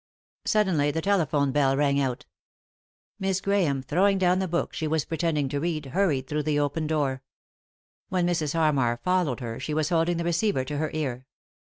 Suddenly the telephone bell rang out. Miss Grahame, throwing down the book she was pretending to read, hurried through the open door. When Mrs. Harmar followed her she was holding the receiver to her ear.